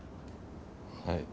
はい。